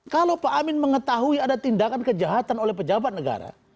kalau pak amin mengetahui ada tindakan kejahatan oleh pejabat negara